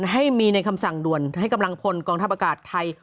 ให้มีในคำสั่งด่วนให้กำลังพลกองทัพอากาศไทย